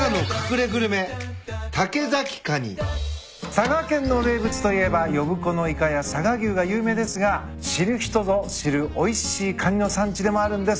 佐賀県の名物といえば呼子のイカや佐賀牛が有名ですが知る人ぞ知るおいしいカニの産地でもあるんです。